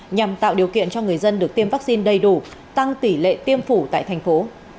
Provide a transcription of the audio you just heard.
nhằm tạo điều kiện cho người dân được tiêm vaccine đầy đủ tăng tỷ lệ tiêm phủ tại thành phố